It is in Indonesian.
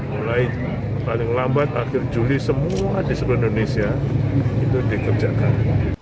mulai paling lambat akhir juli semua di seluruh indonesia itu dikerjakan